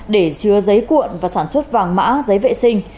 để chứa giấy cuộn và sản xuất vàng mã giấy vệ sinh